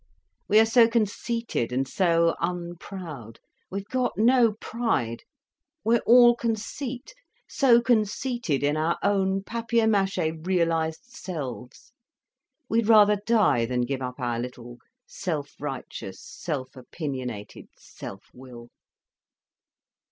We are so conceited, and so unproud. We've got no pride, we're all conceit, so conceited in our own papier maché realised selves. We'd rather die than give up our little self righteous self opinionated self will."